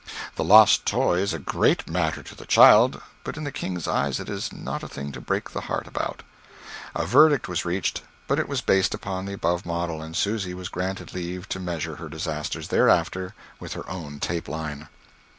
The lost toy is a great matter to the child, but in the king's eyes it is not a thing to break the heart about. A verdict was reached, but it was based upon the above model, and Susy was granted leave to measure her disasters thereafter with her own tape line.